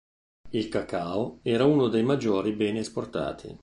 Il cacao era uno dei maggiori beni esportati.